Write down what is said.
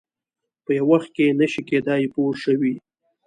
په یو وخت کې نه شي کېدای پوه شوې!.